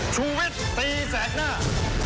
ชุวิตตีแสกหน้า